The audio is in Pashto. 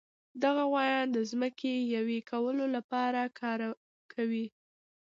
دغه غوایان د ځمکې یوې کولو لپاره کار کوي.